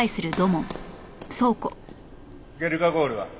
ゲルカゴールは？